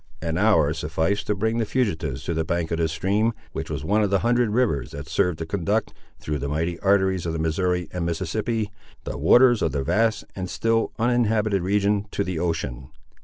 An hour sufficed to bring the fugitives to the bank of the stream, which was one of the hundred rivers that serve to conduct, through the mighty arteries of the Missouri and Mississippi, the waters of that vast and still uninhabited region to the Ocean.